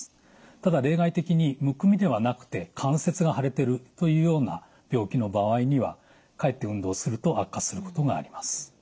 ただ例外的にむくみではなくて関節が腫れてるというような病気の場合にはかえって運動すると悪化することがあります。